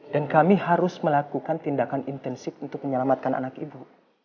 dan kami harus melakukan tindakan intensif untuk menyelamatkan anak ibu